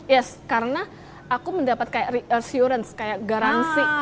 yes karena aku mendapat kayak resurance kayak garansi